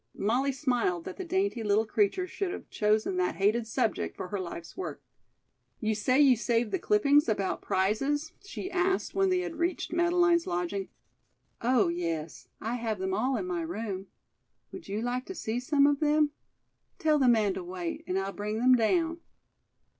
Molly smiled that the dainty little creature should have chosen that hated subject for her life's work. "You say you saved the clippings about prizes?" she asked when they had reached Madeleine's lodging. "Oh, yes; I have them all in my room. Would you like to see some of them? Tell the man to wait, and I'll bring them down."